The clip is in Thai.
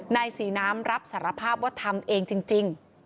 นายศรีน้ำรับสารภาพว่าทำเองจริง